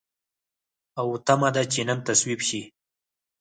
او تمه ده چې نن تصویب شي.